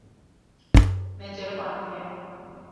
Me ceribandiye.